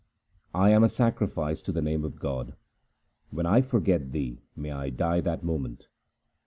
I am a sacrifice to the name of God ; When I forget Thee may I die that moment